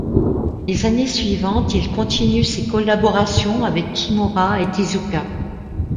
Les années suivantes, il continue ses collaborations avec Kimura et Tezuka.